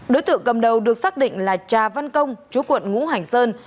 đối tượng cầm đầu được xác định là trà văn công chú quận ngũ hành sơn